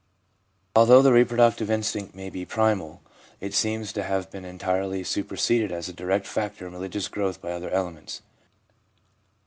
Although the reproductive instinct may be primal, it seems to have been entirely superseded as a direct factor in religious growth by other elements.